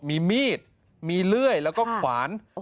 มีมีดมีเลื่อยแล้วก็ขวาน